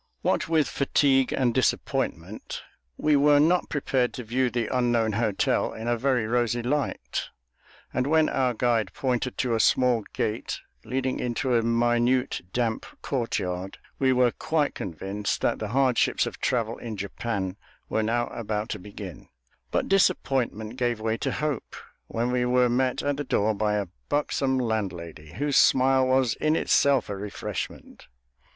What with fatigue and disappointment, we were not prepared to view the unknown hotel in a very rosy light; and when our guide pointed to a small gate leading into a minute, damp courtyard, we were quite convinced that the hardships of travel in Japan were now about to begin; but disappointment gave way to hope, when we were met at the door by a buxom landlady, whose smile was in itself a refreshment.